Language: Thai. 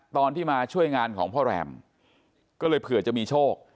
ตอนที่มาช่วยงานของพ่อแรมก็เลยเผื่อจะมีโชค